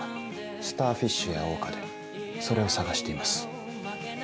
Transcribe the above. スターフィッシュや桜花でそれを探しています。